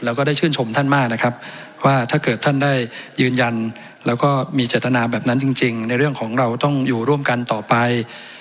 ว่าถ้าเกิดท่านได้ยืนยันแล้วก็มีจตนาแบบนั้นจริงในเรื่องของเราต้องอยู่ร่วมกันต่อไป